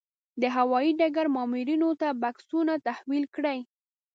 د هوايي ډګر مامورینو ته بکسونه تحویل کړي.